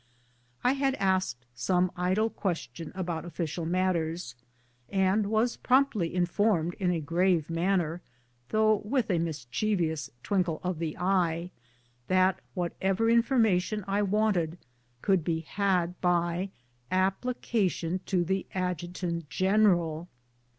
I had asked some idle question about official matters, and was promptly informed in a grave manner, though with a mischievous twinkle of the eye, that whatever information I wanted could be had by application to the adjutant general.